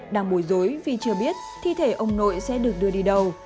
đang bồi dối vì chưa biết thi thể ông nội sẽ được đưa đi đâu